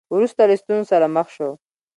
وروسته له ستونزو سره مخ شو.